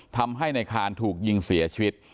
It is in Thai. ทำให้ในคานถูกยิงเสียชีวิต